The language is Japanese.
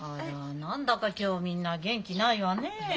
何だか今日みんな元気ないわねえ。